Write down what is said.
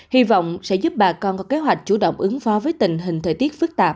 hy vọng sẽ giúp bà con có kế hoạch chủ động ứng phó với tình hình thời tiết phức tạp